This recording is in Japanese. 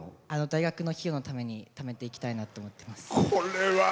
大学の費用のためにためていきたいなと思ってます。